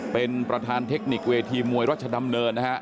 เป็นประธานเทคนิคเวทีมวยรัชดำเนินนะฮะ